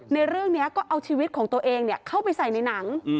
ในเรื่องนี้ก็เอาชีวิตของตัวเองเข้าไปใส่ในหนัง